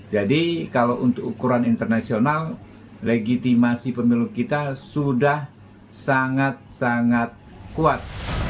jadi kalau untuk ukuran internasional legitimasi pemilu kita sudah sangat sangat kuat